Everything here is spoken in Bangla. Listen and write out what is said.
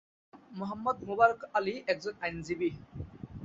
মোহাম্মদ মোবারক আলী একজন আইনজীবী।